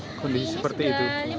ini sudah lima hari